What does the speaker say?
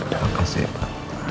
terima kasih pak